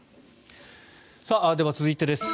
では続いてです。